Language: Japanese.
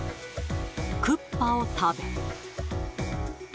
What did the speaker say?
クッパを食べ。